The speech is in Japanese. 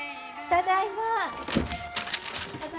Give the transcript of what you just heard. ・ただいま。